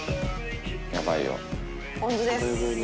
ポン酢です。